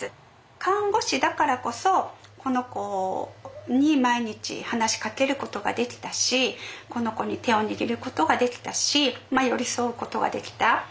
看護師だからこそこの子に毎日話しかけることができたしこの子に手を握ることができたし寄り添うことができた。